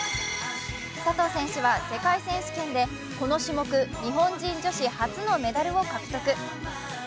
佐藤選手は世界選手権でこの種目、日本人女子初のメダルを獲得。